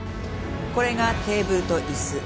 これがテーブルと椅子。